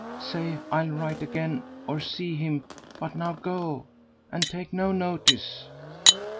Say I'll write again or see him; but now go, and take no notice."